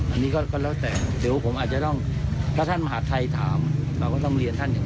อันนี้ก็แล้วแต่เดี๋ยวผมอาจจะต้องถ้าท่านมหาทัยถามเราก็ต้องเรียนท่านหนึ่ง